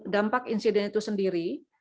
dampak insiden itu sendiri